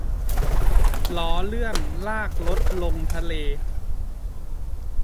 ล้อเลื่อนลากรถลงทะเล